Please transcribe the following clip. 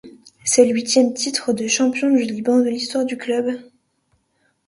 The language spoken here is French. C'est le huitième titre de champion du Liban de l'histoire du club.